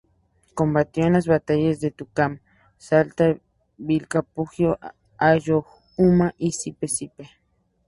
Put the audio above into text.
Combatió en las batallas de Tucumán, Salta, Vilcapugio, Ayohuma y Sipe Sipe.